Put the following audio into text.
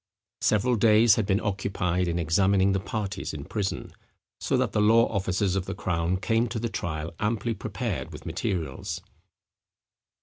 Several days had been occupied in examining the parties in prison; so that the law officers of the crown came to the trial amply prepared with materials.